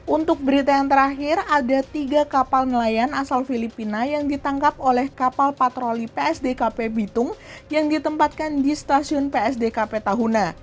untuk berita yang terakhir ada tiga kapal nelayan asal filipina yang ditangkap oleh kapal patroli psdkp bitung yang ditempatkan di stasiun psdkp tahuna